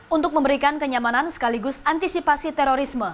untuk memberikan kenyamanan sekaligus antisipasi terorisme